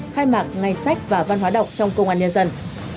khai mạng ngay sách và văn hóa đọc trong công an nhân dân